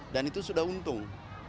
dan itu sudah untung